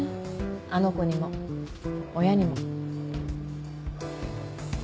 あの子にも親にも。